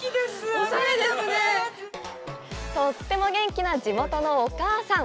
とっても元気な地元のお母さん。